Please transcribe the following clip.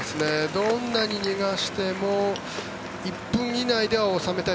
どんなに逃がしても１分以内では収めたい。